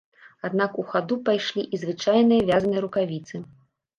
Аднак у хаду пайшлі і звычайныя вязаныя рукавіцы.